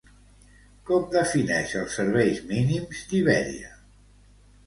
Com defineix els serveis mínims d'Ibèria?